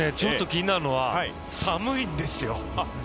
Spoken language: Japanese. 気になるのは、寒いんですよ。